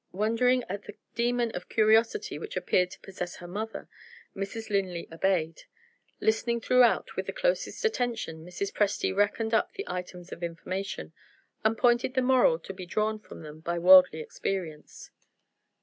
Wondering at the demon of curiosity which appeared to possess her mother, Mrs. Linley obeyed. Listening throughout with the closest attention, Mrs. Presty reckoned up the items of information, and pointed the moral to be drawn from them by worldly experience.